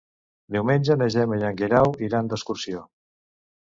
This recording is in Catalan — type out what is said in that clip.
Diumenge na Gemma i en Guerau iran d'excursió.